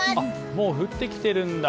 もう降ってきているんだ。